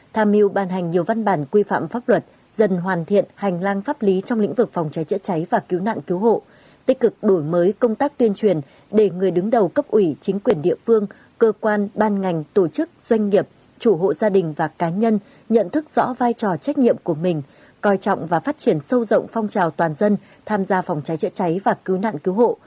tham mưu bàn hành nhiều văn bản quy phạm pháp luật dần hoàn thiện hành lang pháp lý trong lĩnh vực phòng cháy chữa cháy và cứu nạn cứu hộ tích cực đổi mới công tác tuyên truyền để người đứng đầu cấp ủy chính quyền địa phương cơ quan ban ngành tổ chức doanh nghiệp chủ hộ gia đình và cá nhân nhận thức rõ vai trò trách nhiệm của mình coi trọng và phát triển sâu rộng phong trào toàn dân tham gia phòng cháy chữa cháy và cứu nạn cứu hộ